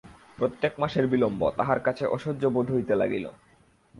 প্রত্যেক মাসের বিলম্ব তাহার কাছে অসহ্য বোধ হইতে লাগিল।